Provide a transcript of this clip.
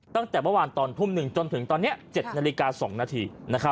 ตั้งแต่เมื่อวานตอนทุ่ม๑จนถึงตอนนี้๗นาฬิกา๒นาที